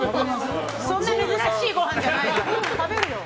そんな珍しいごはんじゃないから。